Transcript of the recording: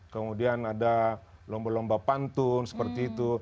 kemudian ada lomba lomba pantun seperti itu